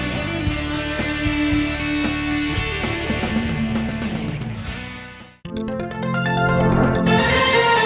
โปรดติดตามตอนต่อไป